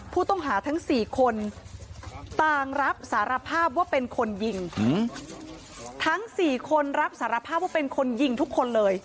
ผู้ต้องหาทั้ง๔คนต่างรับสารภาพว่าเป็นคนยิงทั้งสี่คนรับสารภาพว่าเป็นคนยิงทุกคนเลย